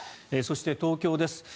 そして東京です。